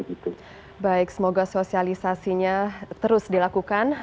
inisialisasinya terus dilakukan